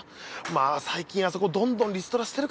まあ最近あそこどんどんリストラしてるからな。